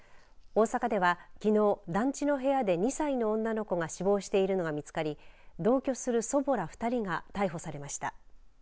大阪ではきのう、団地の部屋で２歳の女の子が死亡しているのが見つかり同居する祖母ら２人が逮捕されました。